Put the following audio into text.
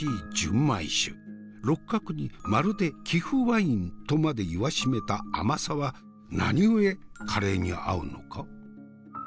六角にまるで貴腐ワインとまで言わしめた甘さは何故カレーに合うのか？